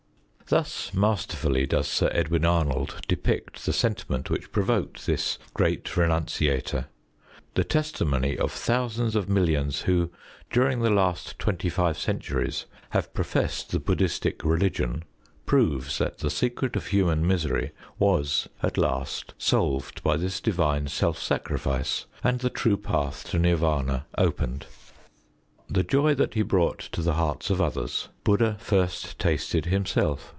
Thus masterfully does Sir Edwin Arnold depict the sentiment which provoked this Great Renunciator. The testimony of thousands of millions who, during the last twenty five centuries, have professed the Bud╠Żd╠Żhistic religion, proves that the secret of human misery was at last solved by this divine self sacrifice, and the true path to Nirv─ün╠Ża opened. The joy that he brought to the hearts of others, Bud╠Żd╠Żha first tasted himself.